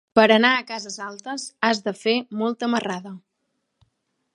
Per anar a Cases Altes has de fer molta marrada.